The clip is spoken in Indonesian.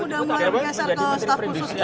udah mulai berbiasa ke staf khususnya